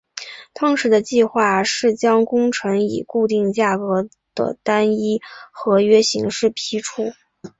当时的计划是将工程以固定价格的单一合约形式批出。